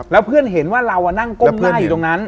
แล้วเพื่อนเห็นว่าเรานั่งก้มหน้าอยู่ตรงนั้น